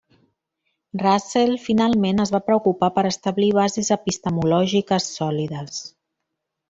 Russell finalment es va preocupar per establir bases epistemològiques sòlides.